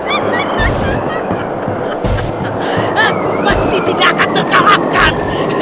aku pasti tidak akan terkalahkan